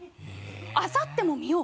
あさっても見よう！